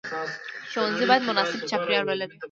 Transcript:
ښوونځی باید مناسب چاپیریال ولري.